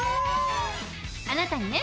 あなたにね